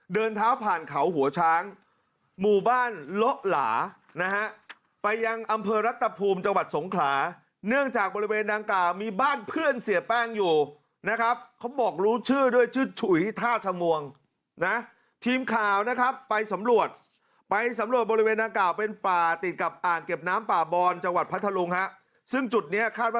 เดินเท้าผ่านเขาหัวช้างหมู่บ้านโละหลานะฮะไปยังอำเภอรัตภูมิจังหวัดสงขลาเนื่องจากบริเวณดังกล่าวมีบ้านเพื่อนเสียแป้งอยู่นะครับเขาบอกรู้ชื่อด้วยชื่อฉุยท่าชมวงนะทีมข่าวนะครับไปสำรวจไปสำรวจบริเวณดังกล่าวเป็นป่าติดกับอ่างเก็บน้ำป่าบอนจังหวัดพัทธรุงฮะซึ่งจุดนี้คาดว่า